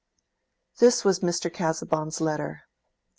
2. This was Mr. Casaubon's letter.